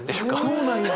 そうなんや！